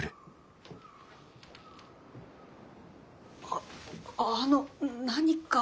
あっあの何か？